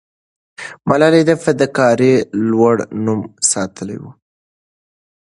ملالۍ د فداکارۍ لوړ نوم ساتلې وو.